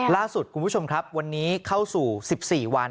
ล่าสุดคุณผู้ชมครับวันนี้เข้าสู่๑๔วัน